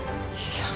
いや。